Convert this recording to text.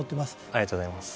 ありがとうございます